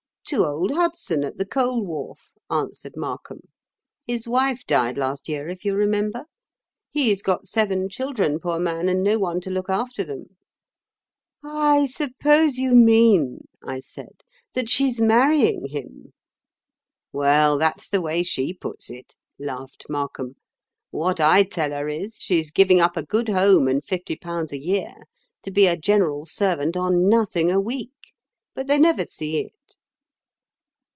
'To old Hudson, at the coal wharf,' answered Markham. 'His wife died last year, if you remember. He's got seven children, poor man, and no one to look after them.' 'I suppose you mean,' I said, 'that she's marrying him.' 'Well, that's the way she puts it,' laughed Markham. 'What I tell her is, she's giving up a good home and fifty pounds a year, to be a general servant on nothing a week. But they never see it.